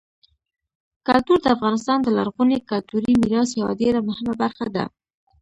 کلتور د افغانستان د لرغوني کلتوري میراث یوه ډېره مهمه برخه ده.